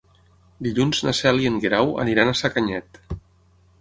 Dilluns na Cel i en Guerau aniran a Sacanyet.